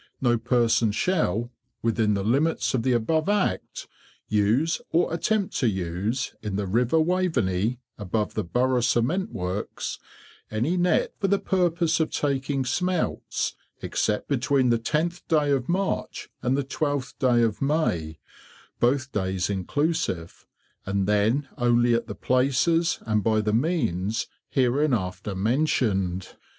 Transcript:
No person shall, within the limits of the above Act, use, or attempt to use, in the River Waveney, above the Burgh Cement works, any Net for the purpose of taking Smelts, except between the 10th day of March and the 12th day of May, both days inclusive, and then only at the places and by the means hereinafter mentioned, viz.